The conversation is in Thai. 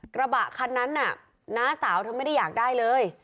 กระบะคันนั้นน่ะน้าสาวเธอไม่ได้อยากได้เลย